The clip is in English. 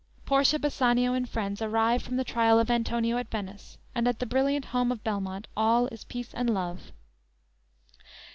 "_ Portia, Bassanio and friends arrive from the trial of Antonio at Venice, and at the brilliant home of Belmont all is peace and love.